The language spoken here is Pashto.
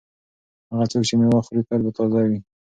هغه څوک چې مېوه خوري تل به تازه وي.